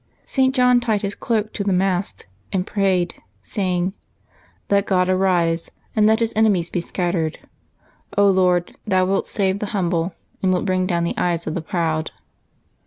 St. John tied his cloak to the mast, and pra3'ed, saying, '^ Let God arise, and let His enemies be scattered. Lord, Thou wilt save the humble, and. wilt bring down the eyes of the proud.'